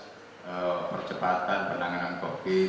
tugas percepatan penanganan covid sembilan belas